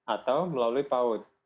atau melalui paud